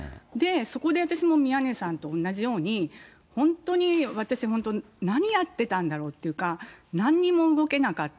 そこで私も宮根さんとおんなじように、本当に私、本当、何やってたんだろうっていうか、なんにも動けなかった。